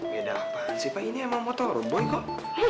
beda apaan sih pak ini emang motor boy kok